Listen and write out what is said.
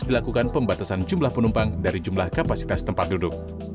dilakukan pembatasan jumlah penumpang dari jumlah kapasitas tempat duduk